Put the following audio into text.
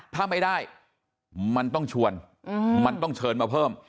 ถ้าไม่ได้มันต้องชวนมันต้องเชิญมาเพิ่ม